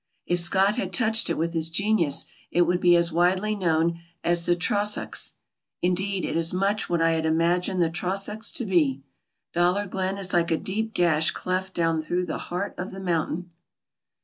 If Scott had touched it with his genius it would be as widely known as the Trossachs. Indeed, it is much what I had imagined the Trossachs to be. Dollar Glen is like a deep gash cleft down through the hean of the mountain.